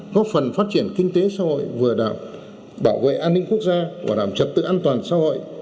góp phần phát triển kinh tế xã hội vừa đảm bảo vệ an ninh quốc gia và đảm chất tự an toàn xã hội